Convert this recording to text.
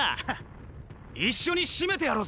一緒にシメてやろうぜ。